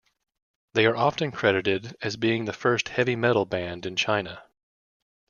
They are often credited as being the first heavy metal band in China.